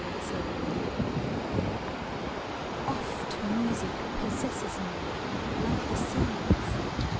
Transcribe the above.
Music Oft Music possesses me like the seas!